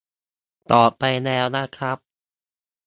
ตอบไปแล้วนะครับ